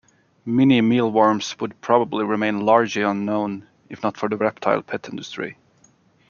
Mini mealworms would probably remain largely unknown, if not for the reptile pet industry.